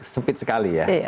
sempit sekali ya